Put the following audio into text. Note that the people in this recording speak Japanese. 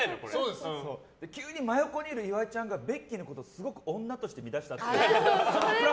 急に真横にいる岩井ちゃんがベッキーのことをすごく女として見だした。